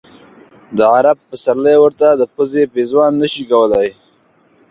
د عرب پسرلی ورته د پزې پېزوان نه شي کولای.